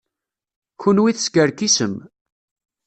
Kenwi teskerkisem.